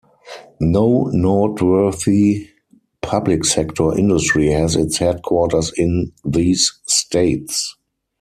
No noteworthy public sector industry has its headquarters in these states.